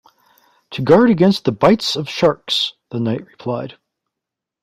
‘To guard against the bites of sharks,’ the Knight replied.